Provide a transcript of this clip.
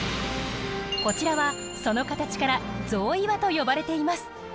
こちらはその形から象岩と呼ばれています。